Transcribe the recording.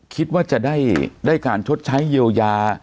คิดว่าจะได้การชดใช้เยียวยา